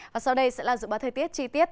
và sau đây sẽ là dự báo thời tiết chi tiết